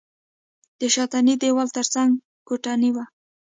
د شاتني دېوال تر څنګ کوټنۍ وه.